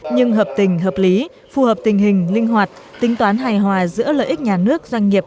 nhưng hợp tình hợp lý phù hợp tình hình linh hoạt tính toán hài hòa giữa lợi ích nhà nước doanh nghiệp